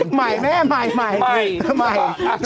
ใหม่แม่ใหม่ใหม่